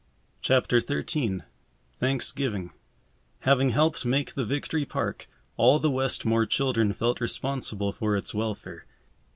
CHAPTER XIII THANKSGIVING Having helped make the Victory Park, all the Westmore children felt responsible for its welfare.